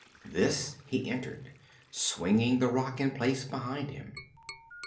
This he entered, swinging the rock in place behind him.